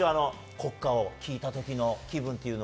国歌を聞いたときの気分は。